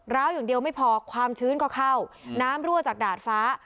้าวอย่างเดียวไม่พอความชื้นก็เข้าน้ำรั่วจากดาดฟ้า